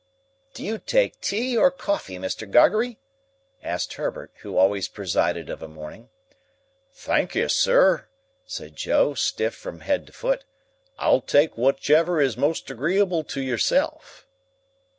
"Do you take tea, or coffee, Mr. Gargery?" asked Herbert, who always presided of a morning. "Thankee, Sir," said Joe, stiff from head to foot, "I'll take whichever is most agreeable to yourself."